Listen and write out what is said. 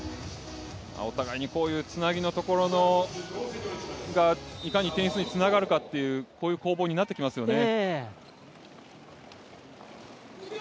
お互いにこういうつなぎのところがいかに点数につながるかという攻防になってきますよね。